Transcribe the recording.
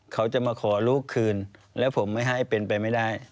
เขาจะมาขอลูกคืนแล้วผมไม่ให้เป็นไปไม่ได้